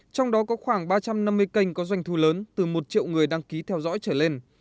trong đó có khoảng ba trăm năm mươi kênh có doanh thu lớn từ một triệu người đăng ký theo dõi trở lên